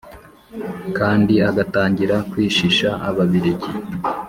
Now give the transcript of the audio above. kandi agatangira kwishisha ababiligi